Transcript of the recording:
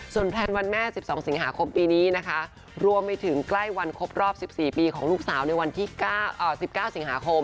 แพลนวันแม่๑๒สิงหาคมปีนี้นะคะรวมไปถึงใกล้วันครบรอบ๑๔ปีของลูกสาวในวันที่๑๙สิงหาคม